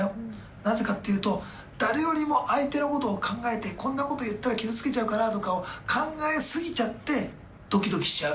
なぜかというと、誰よりも相手のことを考えて、こんなこと言ったら、傷つけちゃうかな？とかを考え過ぎちゃってどきどきしちゃう。